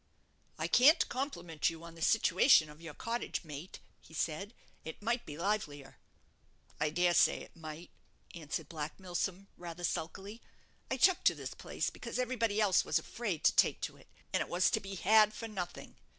"I can't compliment you on the situation of your cottage, mate," he said; "it might be livelier." "I dare say it might," answered Black Milsom, rather sulkily. "I took to this place because everybody else was afraid to take to it, and it was to be had for nothing.